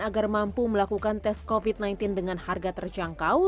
agar mampu melakukan tes covid sembilan belas dengan harga terjangkau